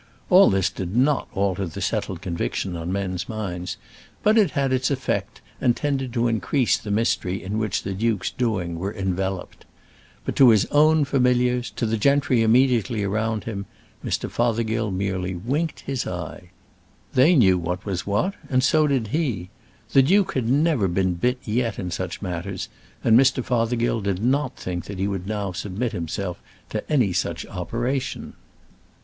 All this did not alter the settled conviction on men's minds; but it had its effect, and tended to increase the mystery in which the duke's doings were enveloped. But to his own familiars, to the gentry immediately around him, Mr. Fothergill merely winked his eye. They knew what was what, and so did he. The duke had never been bit yet in such matters, and Mr. Fothergill did not think that he would now submit himself to any such operation.